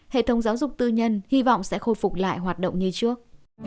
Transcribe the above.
hệ thống giáo dục tư nhân hy vọng sẽ khôi phục lại hoạt động như trước